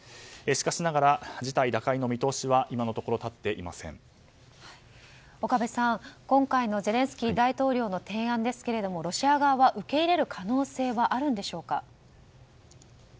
しかしながら事態打開の見通しは岡部さん、今回のゼレンスキー大統領の提案ですがロシア側は受け入れる可能性はあるんでしょうか？